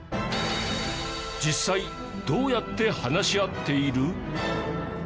実際、どうやって話し合っている？